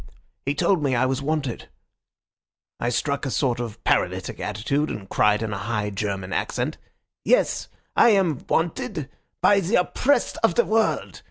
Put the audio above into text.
He told me I was wanted. I struck a sort of paralytic attitude, and cried in a high German accent, 'Yes, I am wanted—by the oppressed of the world.